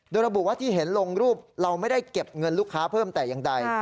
โดยระบุว่าที่เห็นลงรูปเราไม่ได้เก็บเงินลูกค้าเพิ่มแต่อย่างใด